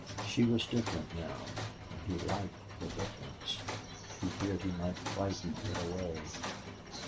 She was different now and he liked the difference. He feared he might frighten it away.